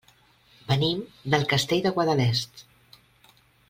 Venim del Castell de Guadalest.